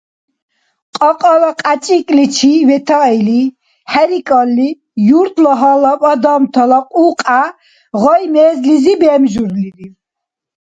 Кьакьала кьячӀикӀличи ветаили хӀерикӀалли, юртла гьалаб адамтала кьукья гъай-мезлизи бемжурли!